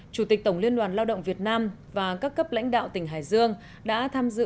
chủ tịch tổng liên đoàn lao động việt nam và các cấp lãnh đạo tỉnh hải dương đã tham dự